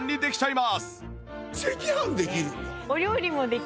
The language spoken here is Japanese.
赤飯できるんだ！